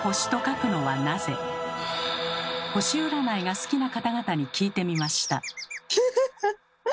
星占いが好きな方々に聞いてみました。